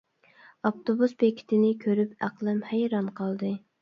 ئاپتوبۇس بېكىتىنى كۆرۈپ ئەقلىم ھەيران قالدى.